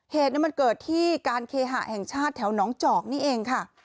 เหตุมันเกิดที่การเคหะแห่งชาติแถวน้องจอกนี่เองค่ะ